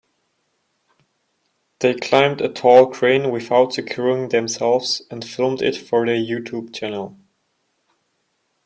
They climbed a tall crane without securing themselves and filmed it for their YouTube channel.